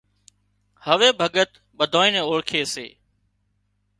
هوَي ڀڳت ٻڌانئي نين اوۯکي سي